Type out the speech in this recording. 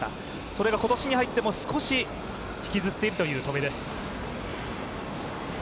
それが今年に入っても少し引きずっているという戸邉です。